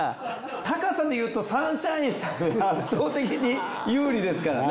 高さでいうとサンシャインさんが圧倒的に有利ですからね。